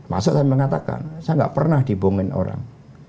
mas jokowi mengatakan saya tidak pernah dibohongkan orang